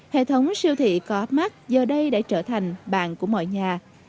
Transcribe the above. hệ thống siêu thị co op mark giờ đây đã trở thành bạn của mọi nhà